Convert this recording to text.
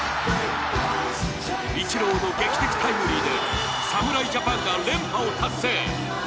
イチローの劇的タイムリーで侍ジャパンが連覇を達成。